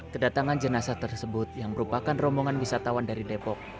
kedatangan jenazah tersebut yang merupakan rombongan wisatawan dari depok